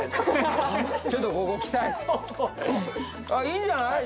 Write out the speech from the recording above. いいんじゃない。